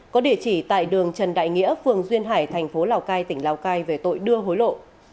có địa chỉ tại đường trần đại nghĩa phường duyên hải thành phố lào cai tỉnh lào cai về tội đưa hối lộ